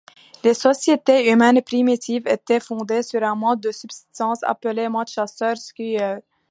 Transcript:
Les sociétés humaines primitives étaient fondées sur un mode de subsistance appelé mode chasseur-cueilleur.